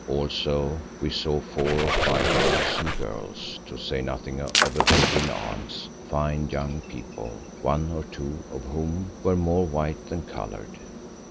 Also we saw four or five boys and girls, to say nothing of a baby in arms, fine young people, one or two of whom were more white than coloured.